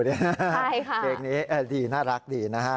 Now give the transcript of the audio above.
ใช่ค่ะเพลงนี้ดีน่ารักดีนะฮะ